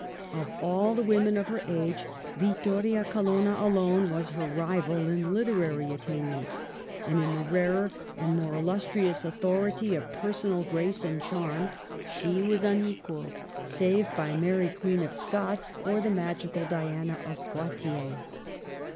Of all the women of her age, Vittoria Colonna alone was her rival in literary attainments ; and in the rarer and more illustrious authority of personal grace and charm, she was unequalled save by Mary Queen of Scots, or the magical Diana of Poictiers.